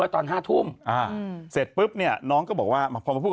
ตอนห้าทุ่มอ่าเสร็จปุ๊บเนี่ยน้องก็บอกว่าพอมาพูด